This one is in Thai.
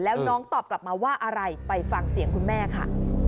แล้วน้องตอบกลับมาว่าอะไรไปฟังเสียงคุณแม่ค่ะ